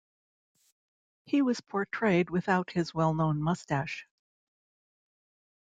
He was portrayed without his well-known mustache.